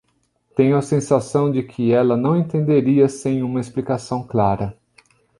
Tenho a sensação de que ela não entenderia sem uma explicação clara.